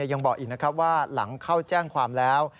ยังบอกอีกนะครับว่าหลังเข้าแจ้งความแล้ว